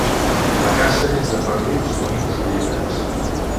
La caça és de perdius, conills i llebres.